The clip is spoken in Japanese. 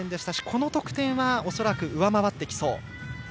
この得点は恐らく上回ってきそう。